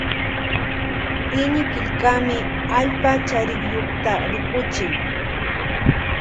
Iñikillkami allpa chariyukta rikuchin.